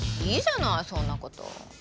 いいじゃないそんなこと。